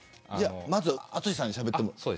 まず、淳さんにしゃべってもらう。